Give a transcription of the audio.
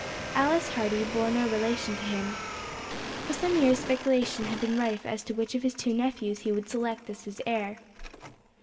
Alice Hardy bore no relation to him. For some years speculation had been rife as to which of his two nephews he would select as his heir.